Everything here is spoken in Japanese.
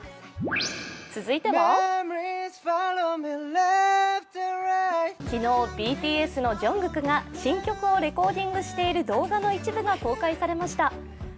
続いては昨日、ＢＴＳのＪＵＮＧＫＯＯＫが新曲をレコーディングしている動画の一部が公開されました。